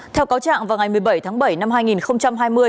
theo cáo trạng vào ngày một mươi bảy tháng bảy năm hai nghìn hai mươi